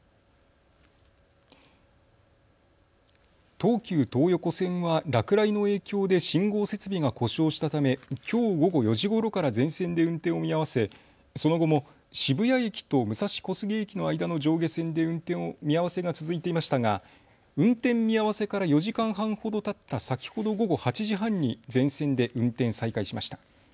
東急東横線は落雷の影響で信号設備が故障したためきょう午後４時ごろから全線で運転を見合わせその後も渋谷駅と武蔵小杉駅の間の上下線で運転見合わせが続いていましたが運転見合わせから４時間半ほどたった先ほど午後８時半に全線で運転再開しました。